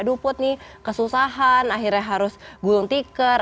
aduh put nih kesusahan akhirnya harus gulung tikar